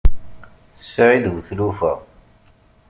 Saεid bu tlufa.